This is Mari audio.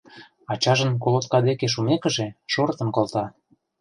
Ачажын колотка деке шумекыже, шортын колта.